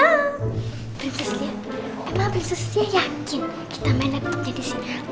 prinses liat emang prinses liat yakin kita main laptop jadi single town